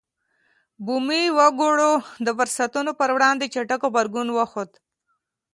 بومي وګړو د فرصتونو پر وړاندې چټک غبرګون وښود.